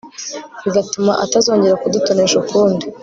bigatuma atazongera kudutonesha ukundi